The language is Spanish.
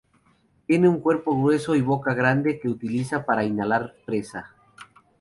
Tiene un cuerpo grueso y boca grande, que utiliza para "inhalar" presa.